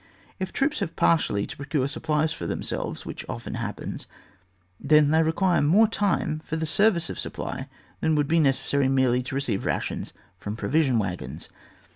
If troops have partly to procure supplies for themselves, which often happens, then they require more time for the service of supply than would be necessary merely to receive rations from provision wagons.